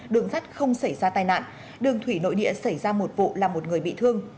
đường sắt không xảy ra tai nạn đường thủy nội địa xảy ra một vụ làm một người bị thương